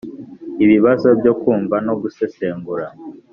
Ibibazo byo kumva no gusesengura